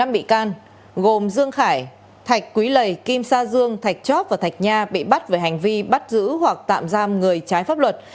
năm bị can gồm dương khải thạch quý lầy kim sa dương thạch chóp và thạch nha bị bắt về hành vi bắt giữ hoặc tạm giam người trái pháp luật